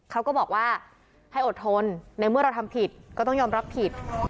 เขาก็บอกว่าให้อดทนในเมื่อเราทำผิดก็ต้องยอมรับผิด